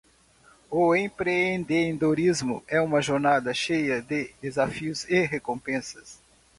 O empreendedorismo é uma jornada cheia de desafios e recompensas.